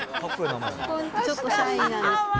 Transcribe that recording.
ちょっとシャイなんです。